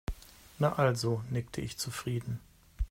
Na also, nickte ich zufrieden.